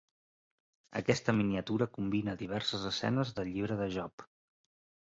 Aquesta miniatura combina diverses escenes del llibre de Job.